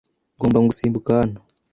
Ngomba gusimbuka hano.